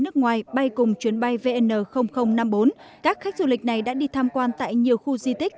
nước ngoài bay cùng chuyến bay vn năm mươi bốn các khách du lịch này đã đi tham quan tại nhiều khu di tích